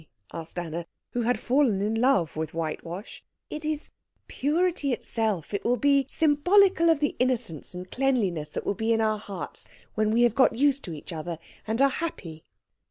asked Anna, who had fallen in love with whitewash. "It is purity itself. It will be symbolical of the innocence and cleanliness that will be in our hearts when we have got used to each other, and are happy."